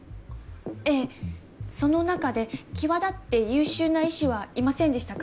ええその中で際立って優秀な医師はいませんでしたか？